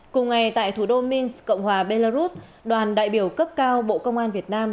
cùng ngày tại thủ đô mins cộng hòa belarus đoàn đại biểu cấp cao bộ công an việt nam